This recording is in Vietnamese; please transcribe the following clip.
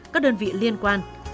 các đơn vị liên quan